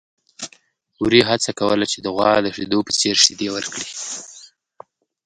وري هڅه کوله چې د غوا د شیدو په څېر شیدې ورکړي.